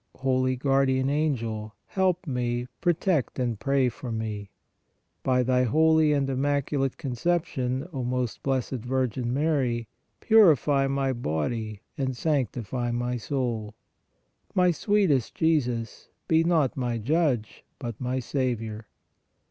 Holy Guardian Angel, help me, protect and pray for me. By thy holy and Immaculate Con ception, O Most Blessed Virgin Mary, purify my body and sanctify my soul. My sweetest Jesus, be not my Judge, but my Saviour.